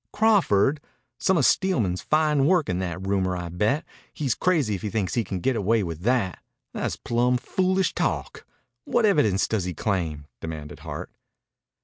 "Crawford! Some of Steelman's fine work in that rumor, I'll bet. He's crazy if he thinks he can get away with that. Tha's plumb foolish talk. What evidence does he claim?" demanded Hart.